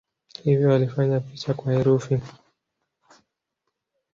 Hivyo walifanya picha kuwa herufi.